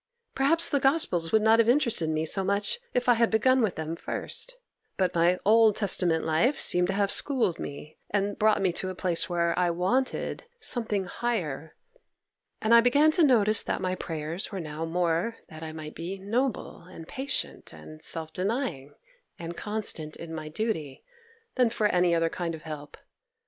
Perhaps the Gospels would not have interested me so much if I had begun with them first; but my Old Testament life seemed to have schooled me, and brought me to a place where I wanted, something higher, and I began to notice that my prayers now were more that I might be noble, and patient, and self denying, and constant in my duty, than for any other kind of help.